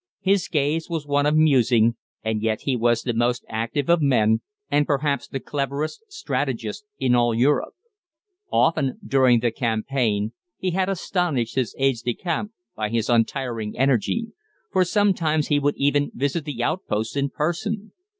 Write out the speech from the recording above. His gaze was one of musing, and yet he was the most active of men, and perhaps the cleverest strategist in all Europe. Often during the campaign he had astonished his aides de camp by his untiring energy, for sometimes he would even visit the outposts in person.